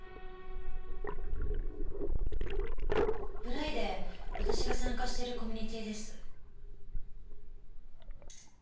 ブライで私が参加してるコミュニティーです。